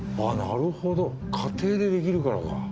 あっなるほど家庭でできるからか。